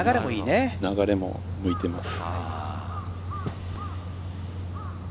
流れも向いてきています。